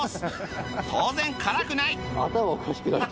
当然辛くない！